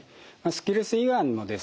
スキルス胃がんのですね